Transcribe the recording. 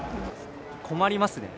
困りますね。